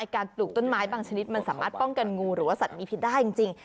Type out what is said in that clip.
การปลูกต้นไม้บางชนิดมันสามารถป้องกันงูหรือว่าสัตว์มีพิษได้จริง